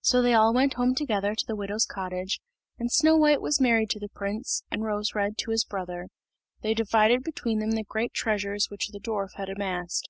So they all went home together to the widow's cottage, and Snow white was married to the prince, and Rose red to his brother. They divided between them the great treasures which the dwarf had amassed.